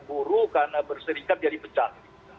buruh karena berserikat jadi pecah